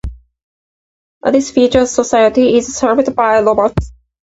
This future society is served by robots.